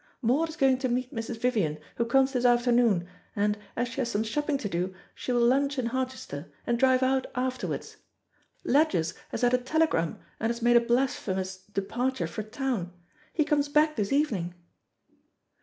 Maud is going to meet Mrs. Vivian, who comes this afternoon, and, as she has some shopping to do, she will lunch in Harchester, and drive out afterwards; Ledgers has had a telegram, and has made a blasphemous departure for town. He comes back this evening."